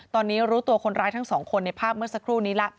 ตอนนี้รู้ตัวคนร้ายทั้งสองคนในภาพเมื่อสักครู่นี้ละ